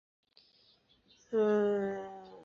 梁兴昌为台湾男性配音员。